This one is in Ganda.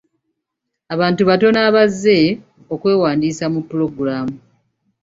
Abantu batono abazze okwewandiisa mu pulogulamu.